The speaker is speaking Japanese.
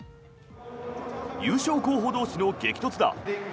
優勝候補同士の激突だ。